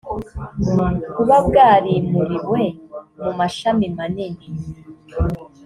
kuba bwarimuriwe mu mashami manini